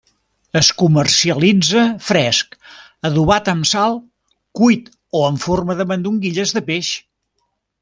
Es comercialitza fresc, adobat amb sal, cuit o en forma de mandonguilles de peix.